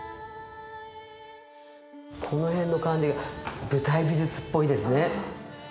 この辺の感じが舞台美術っぽいですね。